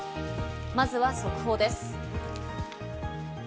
まずは速報です。